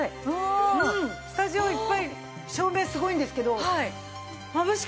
スタジオいっぱい照明すごいんですけど。